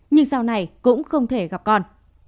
nhưng sau này cũng không thể gặp con